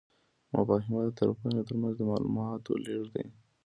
مفاهمه د طرفینو ترمنځ د معلوماتو لیږد دی.